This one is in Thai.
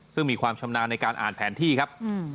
ซึ่งมีความชำนาญในการอ่านแผนที่ครับ